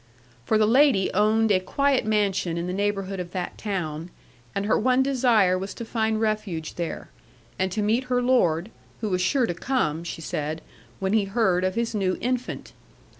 For the lady owned a quiet mansion in the neighbourhood of that town, and her one desire was to find refuge there, and to meet her lord, who was sure to come (she said) when he heard of his new infant.